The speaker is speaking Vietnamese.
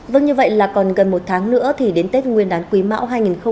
vâng như vậy là còn gần một tháng nữa thì đến tết nguyên đán quý mão hai nghìn hai mươi